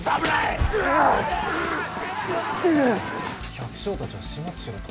百姓たちを始末しろと？